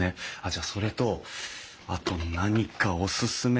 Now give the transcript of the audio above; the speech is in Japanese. じゃあそれとあと何かおすすめは。